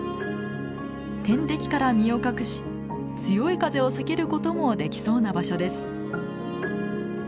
天敵から身を隠し強い風を避けることもできそうな場所です。